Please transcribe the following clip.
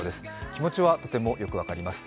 気持ちはとてもよく分かります。